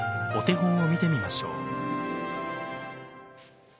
お手本を見てみましょう。